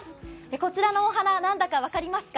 こちらのお花、何だか分かりますか？